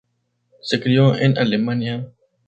Se crio en Alemania.